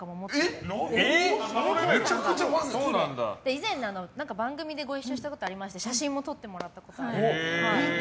以前、番組でご一緒したことがありまして写真も撮ってもらったことが。